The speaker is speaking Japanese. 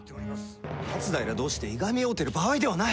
松平同士でいがみ合うてる場合ではない。